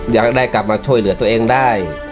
อยากได้กลับมาช่วยเหลือตัวเองได้